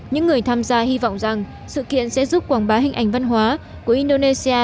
những người tham gia hy vọng rằng sự kiện sẽ giúp quảng bá hình ảnh văn hóa của indonesia